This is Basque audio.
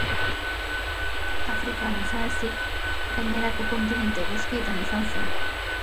Afrika ezik gainerako kontinente guztietan izan zen.